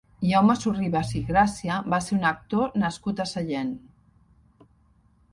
Jaume Sorribas i Garcia va ser un actor nascut a Sallent.